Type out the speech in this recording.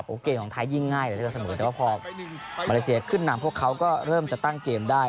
เกมของไทยยิ่งง่ายเดี๋ยวจะเสมอแต่ว่าพอมาเลเซียขึ้นนำพวกเขาก็เริ่มจะตั้งเกมได้